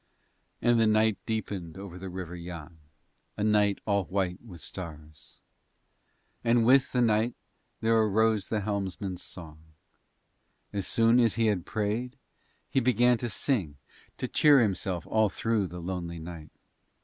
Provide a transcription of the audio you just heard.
And the night deepened over the River Yann, a night all white with stars. And with the night there arose the helmsman's song. As soon as he had prayed he began to sing to cheer himself all through the lonely night.